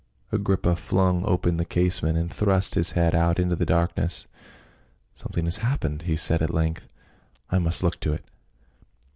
Agrippa flung open the casement and thrust his head out into the darkness. " Something has hap pened !" he said at length. " I must look to it